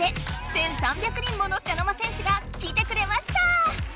１，３００人もの茶の間戦士が来てくれました！